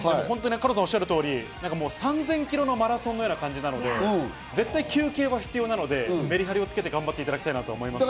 加藤さんがおっしゃる通り、３０００キロのマラソンのような感じなんで、絶対休憩は必要なんで、メリハリをつけて頑張っていただきたいと思います。